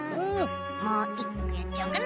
もう１こやっちゃおうかな。